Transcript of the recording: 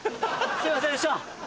すいませんでした。